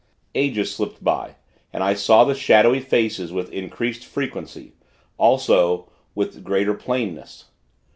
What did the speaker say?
Ages slipped by, and I saw the shadowy faces, with increased frequency, also with greater plainness.